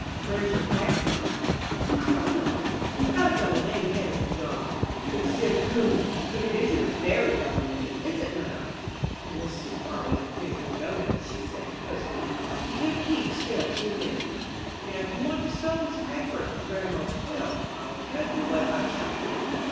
"Where's your patchwork?" "I don't know. You've got a double name, haven't you, doggie? It's Zip Coon, but it isn't a very double name, is it, mother?" When Mrs. Parlin had finished her doughnuts, she said, "Pussy, you can't keep still two minutes. Now, if you want to sew this patchwork for grandma's quilt, I'll tell you what I shall do.